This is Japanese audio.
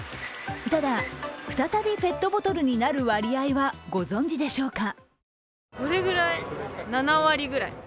ただ、再びペットボトルになる割合はご存じでしょうか。